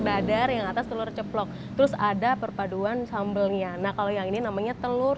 badar yang atas telur ceplok terus ada perpaduan sambelnya nah kalau yang ini namanya telur